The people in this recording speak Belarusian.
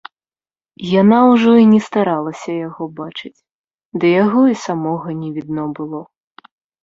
Яна ўжо і не старалася яго бачыць, ды яго і самога не відно было.